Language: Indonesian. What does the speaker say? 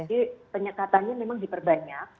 jadi penyekatannya memang diperbanyak